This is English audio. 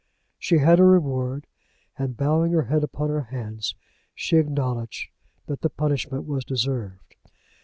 She had her reward, and, bowing her head upon her hands, she acknowledged that the punishment was deserved.